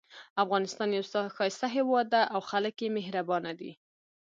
افغانستان یو ښایسته هیواد ده او خلک یې مهربانه دي